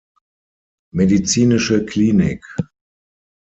Medizinische Klinik.